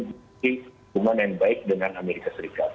dihubungkan yang baik dengan amerika serikat